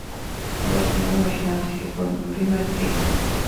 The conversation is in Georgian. თავდამსხმელებმა მაშინ ააფეთქეს ბომბი მათ წინ.